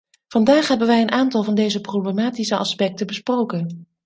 Vandaag hebben wij een aantal van deze problematische aspecten besproken.